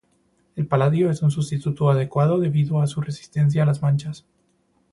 El paladio es un sustituto adecuado debido a su resistencia a las manchas.